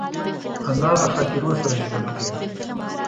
انا له خاطرو سره ژوند کوي